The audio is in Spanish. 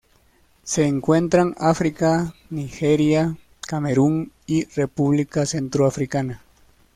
Se encuentran África: Nigeria, Camerún y República Centroafricana.